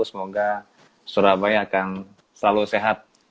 semoga surabaya akan selalu sehat